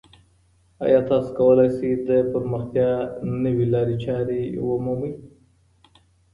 ایا تاسو کولای شئ د پرمختیا نوې لارې چارې ومومئ؟